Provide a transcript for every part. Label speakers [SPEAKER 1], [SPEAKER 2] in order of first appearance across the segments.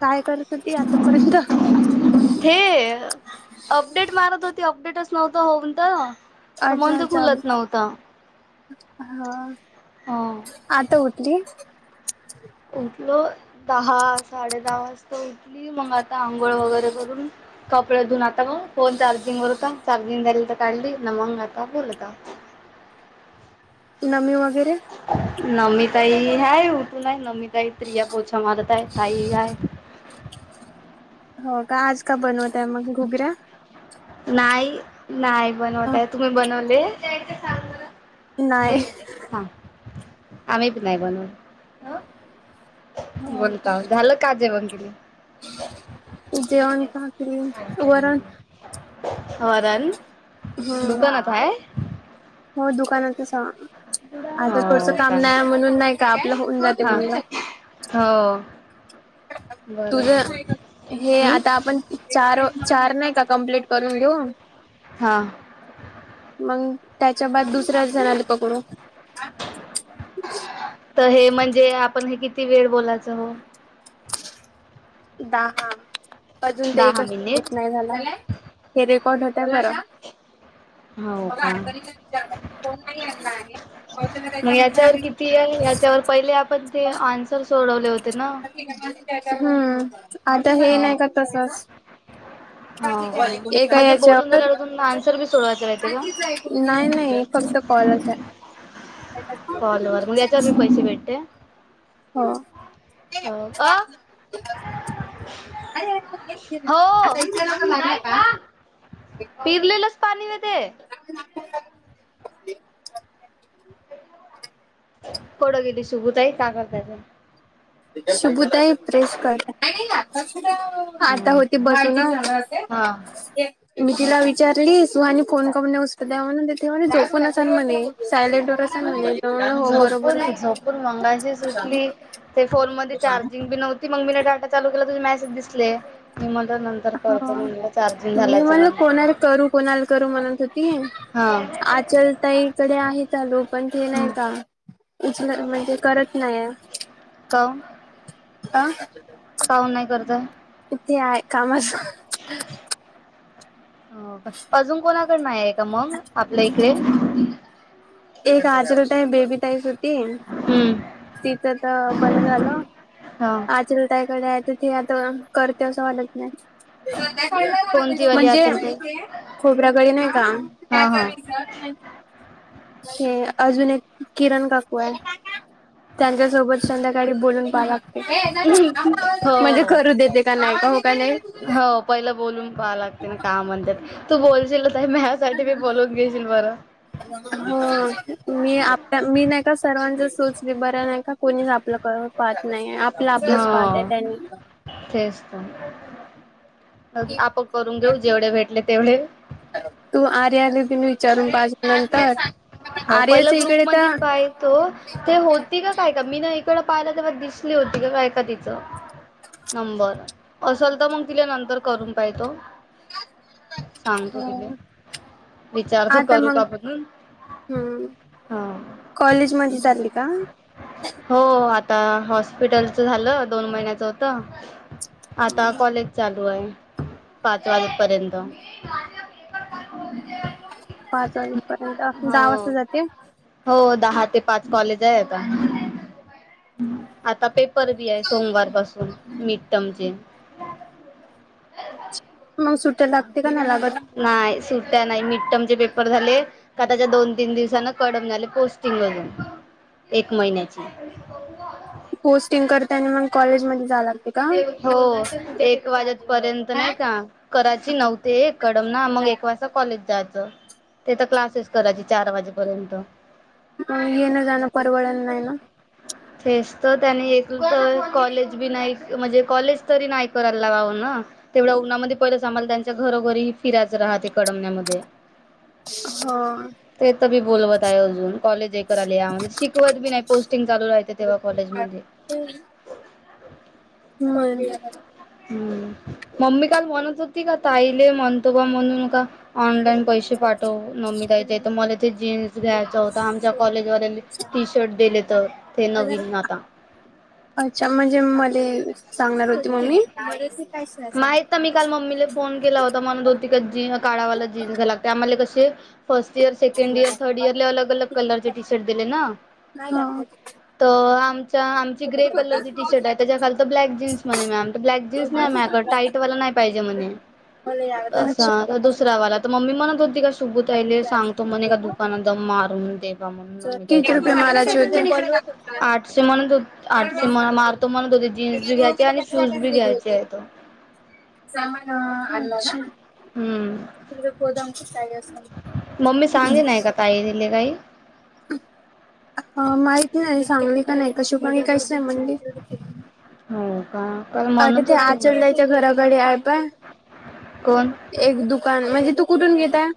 [SPEAKER 1] काय करत होती आतापर्यंत
[SPEAKER 2] हे अपडेट मारत होती अपडेटच नव्हतं होऊन त तर म्हणून
[SPEAKER 1] अच्छा
[SPEAKER 2] तर
[SPEAKER 1] अच्छा
[SPEAKER 2] खुलत नव्हता
[SPEAKER 1] हा
[SPEAKER 2] हो
[SPEAKER 1] आता उठली
[SPEAKER 2] उठलो दहा साडे दहा वाजता उठली मग आता आंघोळ वगैरे करून कपडे धुन आता ग फोन चार्जिंग वर होता चार्जिंगवरूनचा काढली ना मंग आता बोलता
[SPEAKER 1] नमी वगैरे
[SPEAKER 2] नमिताई हाय उठली नाही नमिताई, प्रिया पोछा मारत आहे आई हाय
[SPEAKER 1] हो का आज का बनवत आहे मग घुबऱ्या
[SPEAKER 2] नाही नाही बनवताय तुम्ही बनवले
[SPEAKER 1] नाही
[SPEAKER 2] हा आम्ही बी नाही बनवत हो बोलताव झालं का जेवन गीन
[SPEAKER 1] जेवण भाकरी वरण
[SPEAKER 2] वरण. दुकानात हाय
[SPEAKER 1] होय दुकानातच आहे आता थोडसं
[SPEAKER 2] हो
[SPEAKER 1] काम
[SPEAKER 2] का
[SPEAKER 1] नाही म्हणून नाही का आपलं हो
[SPEAKER 2] हा हो बरं
[SPEAKER 1] तुझं
[SPEAKER 2] झालं
[SPEAKER 1] हे
[SPEAKER 2] हम्म
[SPEAKER 1] आता आपण चार चार नाही का कंप्लीट करून देऊ
[SPEAKER 2] हा
[SPEAKER 1] मग त्याच्या बाद दुसऱ्याच जणला पकडू
[SPEAKER 2] त हे म्हणजे आपण हे किती वेळ बोलायचं हो
[SPEAKER 1] दहा अजून ते
[SPEAKER 2] दहा मिनिट
[SPEAKER 1] एकच नाही झालय हे रेकॉर्ड होत बरं
[SPEAKER 2] हो
[SPEAKER 1] मघ
[SPEAKER 2] का
[SPEAKER 1] अडणीचा विचार मी फोन नाही आणला आहे कौशल त्याच्या
[SPEAKER 2] त्याच्यावर किती आहे याच्यावर पहिले आपण ते आन्सर सोडवले होते ना
[SPEAKER 1] हम्म आता हे
[SPEAKER 2] हा
[SPEAKER 1] नाही तर तसच
[SPEAKER 2] हो का
[SPEAKER 1] एका
[SPEAKER 2] म्हणजे बोलून
[SPEAKER 1] याच्यावर
[SPEAKER 2] झाल्यावर अजून आन्सर बी सोडवायचं राहते का
[SPEAKER 1] नाही नाही फक्त कॉलच आहे
[SPEAKER 2] कॉलवरर मग याच्यावर भी पैसे भेटते
[SPEAKER 1] हा
[SPEAKER 2] हो अ हो नाही कोन पिरलेलंच पाणी ग ते
[SPEAKER 1] नाक काय बसली
[SPEAKER 2] कोइं गेली शोबू ताई पागल काय झाली
[SPEAKER 1] शकू ताई प्रेस कर आता होती बसुन
[SPEAKER 2] हा
[SPEAKER 1] इवतीला विचारलीस सुहानी फोन काऊन उचलते का म्हणुन तेव जोपून असाल म्हणे सायलेंट र असेल म्हणे हो बरोबरच
[SPEAKER 2] झोपूर मंगाशी सुटली ते फोन मध्ये चार्जिंग बी नव्हती मग मी डाटा चालू केला तुझे मेसेज दिसले मी म्हण
[SPEAKER 1] हा मी म्हणल कोणाला
[SPEAKER 2] नंतर
[SPEAKER 1] करू कोणाला करू म्हणत होती
[SPEAKER 2] हां
[SPEAKER 1] आचल ताईकडे आहे चालू पण ते नाही का उचल म्हणजे करत नाहीे
[SPEAKER 2] का
[SPEAKER 1] आ
[SPEAKER 2] काऊन नाही करतय
[SPEAKER 1] इ तेय कामस
[SPEAKER 2] अजुन कोणाकडनं नाही आहे का मग आपल्या इकडे
[SPEAKER 1] एक अचल ताई बेबी ताई ते
[SPEAKER 2] हम्म
[SPEAKER 1] तिथं तर बंद झालं
[SPEAKER 2] हा
[SPEAKER 1] आ ताईकडे आहे तिथे आता करते असं वाटत नाही
[SPEAKER 2] कोणती वाली
[SPEAKER 1] म्हणजे
[SPEAKER 2] अचल ताई
[SPEAKER 1] खोबर गळी नाही का
[SPEAKER 2] हा हा
[SPEAKER 1] अजून एक किरण काकू आहे त्यांच्यासोबत संध्याकाळी बोलून पाहाला म्हणजे
[SPEAKER 2] हो
[SPEAKER 1] करू देते का नाहीय का हो का नाही
[SPEAKER 2] हो पहिलं बोलून पहा लागते ना का म्हणतात तू बोलशील म्यासाठी मी बोलून घेशील बरं
[SPEAKER 1] हो मी आपल्या मी नाही का सर्वांच सोचली बऱ्या नाही का कोणीच आपलं पाहत नाही आपलं आपल पाहत आहे
[SPEAKER 2] हो
[SPEAKER 1] त्यांनी
[SPEAKER 2] तेच तर आपण करून घेऊ जेवढे भेटले तेवढे
[SPEAKER 1] तू आरे आली त मी विचारून पाजे नंतर
[SPEAKER 2] हो पहिलं
[SPEAKER 1] आर्याच्या इकडे
[SPEAKER 2] ग्रुपमध्ये
[SPEAKER 1] तर
[SPEAKER 2] काय तर ते होती का काय का मी ना इकडं पाहिलं तर मग दिसली होती का काय का तिचं, नंबर, असल तर मग तिला नंतर करून पाहितो. सांगतो तिले, विचारतो
[SPEAKER 1] आता
[SPEAKER 2] करू
[SPEAKER 1] मग
[SPEAKER 2] का म्हणून.
[SPEAKER 1] हम्म
[SPEAKER 2] हा
[SPEAKER 1] कॉलेजमधी चांली का?
[SPEAKER 2] हो आता हॉस्पिटलच झालं दोन महिन्याच होत, आता कॉलेज चालू. होय पाच वाजेपर्यंत [unintelligible]
[SPEAKER 1] पाच वाजेपर्यंत
[SPEAKER 2] हो
[SPEAKER 1] दहा वाजता जाते?
[SPEAKER 2] हो दहा ते पाच कॉलेजय आता. आता पेपर बी आहे सोमवार पासून मीडटमचे.
[SPEAKER 1] मग सुट्ट्या लागते का नाही लागत?
[SPEAKER 2] नाही सुट्ट्या नाही मिडटमचे पेपर झाले, का त्याच्या दोन तीन दिवसान कडम झाले पोस्टिंग अजून, एक महिन्याची.
[SPEAKER 1] पोस्टिंग करते आणि मग कॉलेजमध्ये जा लाग
[SPEAKER 2] ते हो एक वाजेपर्यंत नाही का करायची नव ते कडमना मग एक वाजता कॉलेज जायचं, तिथं क्लासेस करायचे चार वाजेपर्यंत.
[SPEAKER 1] काय येन जाण परवडत नाहीय ना?
[SPEAKER 2] तेच तर त्यानी एक तर कॉलेज बी नाही म्हणजे कॉलेज तरी नाही कराय लावावना. तेवढ्या उन्हामध्ये पहिलंच आम्हाला त्यांच्या घरोघरी ही फिरायचं राहते कडमण्यामध्ये.
[SPEAKER 1] हा
[SPEAKER 2] तेत बी बोलवत आहे अजून कॉलेज हे करायला या म्हणजे शिकवत बी नाही पोस्टिंग चालू राह तेेव कॉलेजमध्ये
[SPEAKER 1] हम् मग काय
[SPEAKER 2] हम् मम्मी काल म्हणत होती का ताईले म्हणतो बा म्हणून का? ऑनलाईन पैसे पाठव मम्मी द्यायचे तर मला ते जीन्स घ्यायचा होता आमच्या कॉलेजवाल्यांनी, टी शर्ट दिलेत ते नवीन आता.
[SPEAKER 1] अच्छा म्हणजे मले सांगणार होती मम्मी?
[SPEAKER 2] माय आता मी काल मम्मीला फोन केला होता म्हणत होते की जी काळावाला जीन्स घाला लागते आम्हाला कसे first year, second year, third इयरला अलग अलग कलरचे टी शर्ट दिले ना. तर आमच्या आमची ग्रे कलरची टी शर्ट आहे त्याच्या खाली तर ब्लॅक जीन्स म्हणे मॅम तर ब्लॅक जीन्स नाही माय कड टाईट वाला नाही पाहिजे म्हणे. असा दुसऱ्यावाला तर मम्मी म्हणत होती का शुभुताईले सांगतो म्हणे का दुकाना दम मारून ते
[SPEAKER 1] किती रुपये मालाची होती?
[SPEAKER 2] [unintelligible] आठशे म्हण आठशे मार् ते म्हणत होते जीन्स बी घ्यायचे आणि श्युज बी घ्यायचे येतं.
[SPEAKER 1] सहा महिन
[SPEAKER 2] हम्म
[SPEAKER 1] [inaudible]
[SPEAKER 2] मम्मी सांगे नाय का ताईले काई?
[SPEAKER 1] [inaudible] ह माहिती नाही सांगली का नाही का शुभांगी काहीच सांगनाय.
[SPEAKER 2] हो का काल
[SPEAKER 1] अरे
[SPEAKER 2] म्हणत
[SPEAKER 1] ते
[SPEAKER 2] होती
[SPEAKER 1] आचल
[SPEAKER 2] मला
[SPEAKER 1] ताईचे घराकडे आहेत.
[SPEAKER 2] कोण
[SPEAKER 1] एक दुकान म्हणजे तू कुठून घेतेय?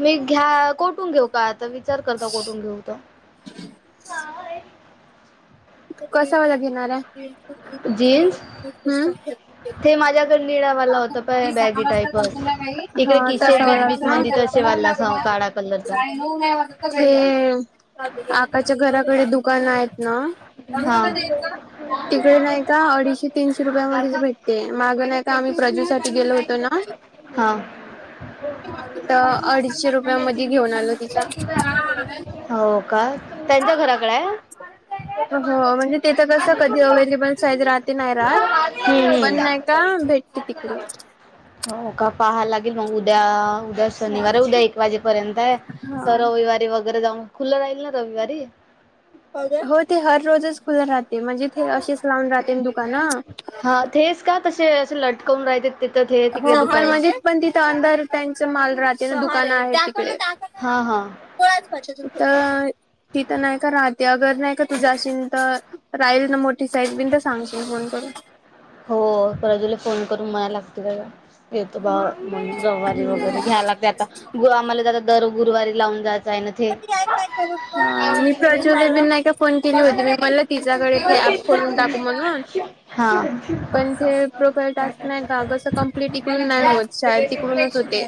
[SPEAKER 2] मी घ्या कोठून घेऊ काय आता विचार करता कुठून घेऊ ते.
[SPEAKER 1] कसा वर घेणारे?
[SPEAKER 2] जीन्स
[SPEAKER 1] हमं.
[SPEAKER 2] ते माझ्या पण निळा वाला होता प बॅगी टाईपच. इकडे किशे बीच बीच मदी तसे वाला साँग काढा. कलरच
[SPEAKER 1] ते आकाच्या घराकडे दुकान आहेत ना.
[SPEAKER 2] हा.
[SPEAKER 1] तिकडे नाही का, अडीचशे-तीनशे रुपयामधेच भेट ते माग नाही का, आम्ही प्रजू साठी गेलो होतो ना.
[SPEAKER 2] हा.
[SPEAKER 1] तर अडीचशे रुपया मधी घेऊन आलो तिचा.
[SPEAKER 2] हो का. त्यांच्या घराकड आहे.
[SPEAKER 1] हो. म्हणजे तेथ कसं कधी अवैलेबल साईज राहते नाही राहात.
[SPEAKER 2] हम्म
[SPEAKER 1] पण नाही ता
[SPEAKER 2] हम्म.
[SPEAKER 1] भेटते तिकडे.
[SPEAKER 2] हो का. पहायला लागेल मग उद्या उद्या शनिवार आहे उद्या एक वाजे पर्यंत आहे. तर
[SPEAKER 1] हा
[SPEAKER 2] रविवारी वगैरे जाऊन खुल राहील ना रविवारी?
[SPEAKER 1] हो. ते हररोजच खुलं राहते. म्हणजे ते असेच लावून राहते दुकानं.
[SPEAKER 2] हा तेच का तसे असे लटकावून राहते ते. तिकडे
[SPEAKER 1] हो. पण
[SPEAKER 2] दुकानं
[SPEAKER 1] म्हणजेच पण तिथं अंधार त्यांच माल राहते ना दुकान आहे तिकडे.
[SPEAKER 2] हा हा.
[SPEAKER 1] त तिथं नाही का राहत. अ घर नाही का तुझ्या अशील तर राहील ना मोठी साईज बिन तर सांगशील फोन करून.
[SPEAKER 2] हो. प्रजूला फोन करून म्हणायला लागती का. येत बा मग रविवारी वगैरे घ्यायला लागते आता. ग आम्हाला आता दर गुरुवारी लावून जायचं आहे ना ते
[SPEAKER 1] मी प्रजू दिदी नाही का फोन केली होती. मी म्हणल तिच्याकडे ते अँप फोडून टाक म्हणून
[SPEAKER 2] हा
[SPEAKER 1] पण ते प्रोफाईल टास्क नाही का. कसं कंप्लीट इकडून नाही होत शायद तिकडूनच होते.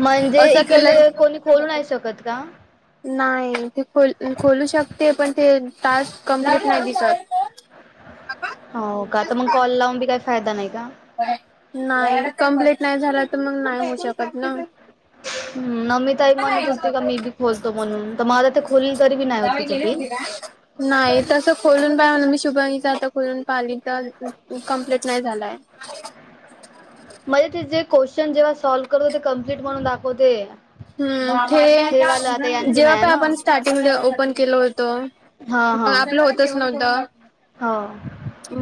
[SPEAKER 2] म्हणजे
[SPEAKER 1] असं केलं
[SPEAKER 2] इकडले कोणी खोलू नाही शकत का?
[SPEAKER 1] नाही ते ख खोलू शकते. पण ते टास्क कंप्लीट नाही दिसत.
[SPEAKER 2] हो का. तर मग कॉल लावून बी काही फायदा नाही का?
[SPEAKER 1] नाही कंप्लीट नाही झाल तर मग नाही होऊ शकत ना.
[SPEAKER 2] ह नमीताई म्हणत होती का मी बी खोलतो म्हणून तर मला ते खोलले तरी बी नाही होती तिचं बी.
[SPEAKER 1] नाही. तसं खोलून पाहिल ना. मी शुभांगीच आता खोलून पाणी तर कंप्लीट नाही झालाय. आले का.
[SPEAKER 2] म्हणे ते जे क्वेशन जेव्हा सॉल्व करतो कम्प्लीट म्हणून दाखवते.
[SPEAKER 1] हम्म.
[SPEAKER 2] ठेवालं आता
[SPEAKER 1] जे
[SPEAKER 2] यांचं
[SPEAKER 1] जेव्हा
[SPEAKER 2] नाही आहे
[SPEAKER 1] पण
[SPEAKER 2] ना
[SPEAKER 1] आपण स्टार्टिंग ला ओपन केल होतो.
[SPEAKER 2] हा हा
[SPEAKER 1] आपलं होतच नव्हत.
[SPEAKER 2] हो.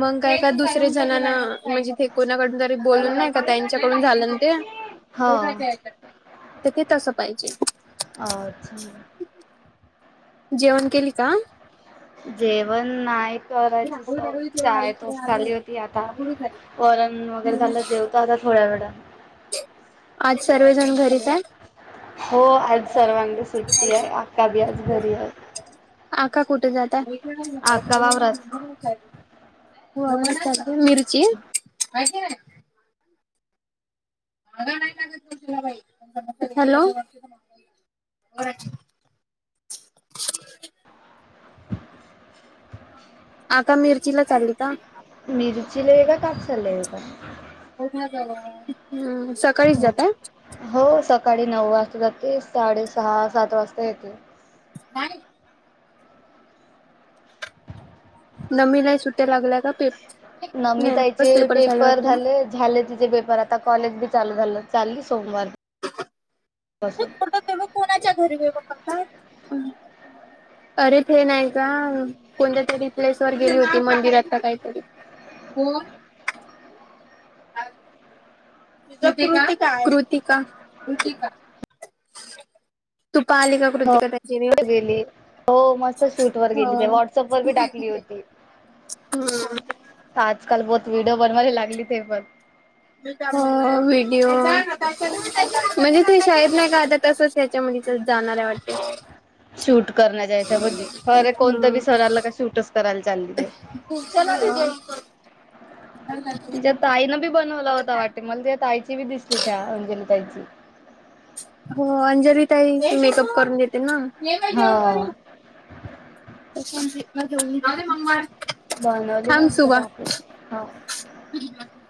[SPEAKER 1] मग काय का दुसरे जणांना म्हणजे ते कोणाकडून तर ते बोलणं नाही का. त्याच्याकडून झालं ना ते.
[SPEAKER 2] हो
[SPEAKER 1] तिथे तसं पाहिजे.
[SPEAKER 2] अ ति
[SPEAKER 1] जेवण केली का?
[SPEAKER 2] जेवण नाही. करायची स चाय टोस्ट खाली होती. आता वरण वगैरे झालं जेव मग आता थोड्या वेडा.
[SPEAKER 1] आज सर्वेजण घरीच आहे.
[SPEAKER 2] हो, आज सर्वांना सुट्टी आहे, आक्का बी आज घरी आहे.
[SPEAKER 1] आक्का कुठे जाताय?
[SPEAKER 2] आक्का वावरात
[SPEAKER 1] मिरची. हॅलो. आक्का मिरचीला चालली का?
[SPEAKER 2] मिरचीलाये का, कापसालये का?
[SPEAKER 1] हम्म, सकाळीच जाता?
[SPEAKER 2] हो, सकाळी नऊ वाजता जाते, साडे सहा सात वाजता येते.
[SPEAKER 1] नाही. नम्मीला ही सुट्या लागल्याय का पेप
[SPEAKER 2] नम्मी
[SPEAKER 1] नाही
[SPEAKER 2] ताई चे
[SPEAKER 1] मगच झाले
[SPEAKER 2] पेपर
[SPEAKER 1] वाटते
[SPEAKER 2] झालेत. झाले तिचे पेपर, आता कॉलेज बी चालू झालं, चालली सोमवार पासून.
[SPEAKER 1] ते मग कोणाच्या घरी [unintelligible] अरे ते नाही का कोणत्या तरी प्लेस वर गेली होती, मंदिरात का काहीतरी कोण? कृतिका कृतिका कृतिका. तू पाहली का कृतिका कधी?
[SPEAKER 2] गेली, हो, मस्त शूट वर गेली, ते व्हॉटसअप वर बी टाकली होती.
[SPEAKER 1] हम्म.
[SPEAKER 2] आजकाल बहुत व्हिडिओ बनवायला लागली, ते पण.
[SPEAKER 1] हो, व्हिडिओ म्हणजे ते शाळेत नाही का आता तसंच ह्याच्या मुलीचे जाणार आहे वाटते.
[SPEAKER 2] शूट करण्याच्या याच्यामधी, अरे, कोणतं बी
[SPEAKER 1] हम्म
[SPEAKER 2] सर आलं का, शूटच करायला चालली ते.
[SPEAKER 1] [unintelligible]
[SPEAKER 2] तिच्या ताईनं बी बनवला होता वाटते, मला तिच्या ताईची बी दिसली त्या अंजली ताईची.
[SPEAKER 1] हो, अंजली ताई मेकअप करून देते ना.
[SPEAKER 2] हो
[SPEAKER 1] [inaudible]
[SPEAKER 2] बनवली
[SPEAKER 1] थांब
[SPEAKER 2] मस्त
[SPEAKER 1] सुबा
[SPEAKER 2] टाकू, हां.
[SPEAKER 1] [inaudible]